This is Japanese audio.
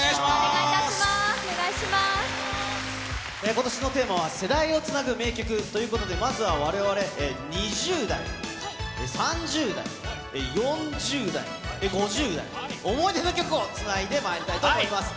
ことしのテーマは、世代をつなぐ名曲ということで、まずはわれわれ、２０代、３０代、４０代、５０代、思い出の曲をつないでまいりたいと思います。